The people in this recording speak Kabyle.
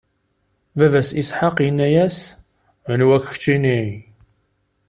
Baba-s Isḥaq inna-yas: Anwa-k, keččini?